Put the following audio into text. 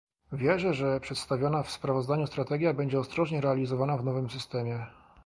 Wierzę, że przedstawiona w sprawozdaniu strategia będzie ostrożnie realizowana w nowym systemie